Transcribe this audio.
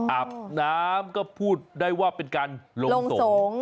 อาบน้ำก็พูดได้ว่าเป็นการลงศพ